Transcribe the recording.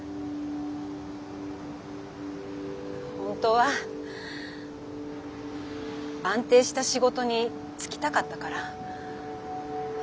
本当は安定した仕事に就きたかったから。